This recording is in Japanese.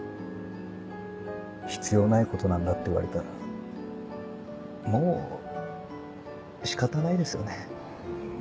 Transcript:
必要ないことなんだって言われたらもう仕方ないですよね。